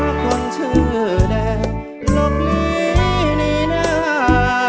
หกหมื่นอีนา